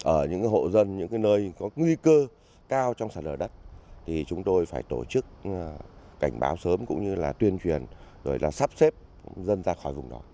ở những hộ dân những nơi có nguy cơ cao trong sản lở đất thì chúng tôi phải tổ chức cảnh báo sớm cũng như là tuyên truyền rồi là sắp xếp dân ra khỏi vùng đó